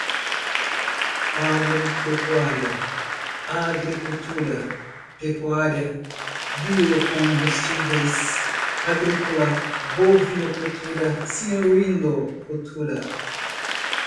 agropecuária, agricultura, pecuária, biocombustíveis, agrícola, bovinocultura, suinocultura